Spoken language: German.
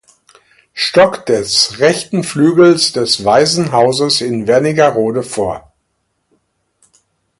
Stock des rechten Flügels des Waisenhauses in Wernigerode vor.